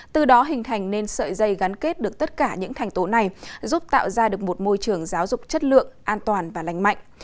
từ đó hình thành nên sợi dây gắn kết được tất cả những thành tố này giúp tạo ra được một môi trường giáo dục chất lượng an toàn và lành mạnh